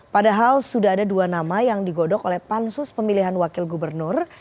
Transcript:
padahal sudah ada dua nama yang digodok oleh pansus pemilihan wakil gubernur